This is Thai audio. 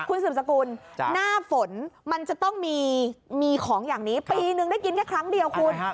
คุณสืบสกุลหน้าฝนมันจะต้องมีของอย่างนี้ปีนึงได้กินแค่ครั้งเดียวคุณ